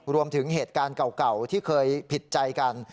เหตุการณ์เก่าที่เคยผิดใจกัน